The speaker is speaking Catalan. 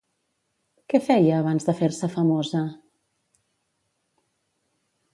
Què feia abans de fer-se famosa?